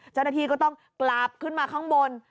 เจ้าหน้าที่ก็ต้องกลับขึ้นมาข้างบน